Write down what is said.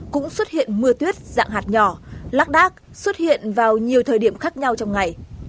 cũng xuất hiện mưa tuyết dạng hạt nhỏ lác đác xuất hiện vào nhiều thời điểm khác nhau trong ngày